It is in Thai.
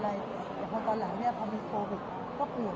พี่คิดว่าเข้างานทุกครั้งอยู่หรือเปล่า